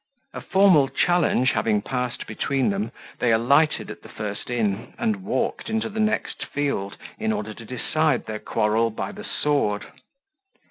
A formal challenge having passed between them, they alighted at the first inn, and walked into the next field, in order to decide their quarrel by the sword.